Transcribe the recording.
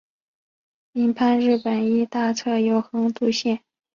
印幡日本医大侧有横渡线。